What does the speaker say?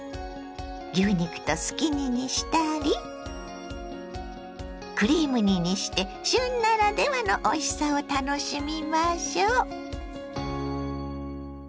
牛肉とすき煮にしたりクリーム煮にして旬ならではのおいしさを楽しみましょ。